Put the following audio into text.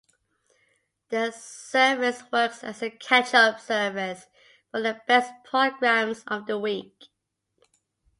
The service works as a catch-up service for the best programmes of the week.